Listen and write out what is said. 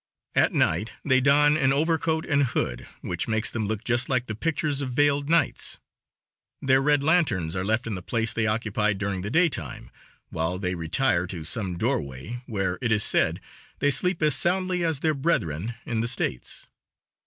At night they don an overcoat and hood, which makes them look just like the pictures of veiled knights. Their red lanterns are left in the place they occupied during the daytime, while they retire to some doorway where, it is said, they sleep as soundly as their brethren in the States.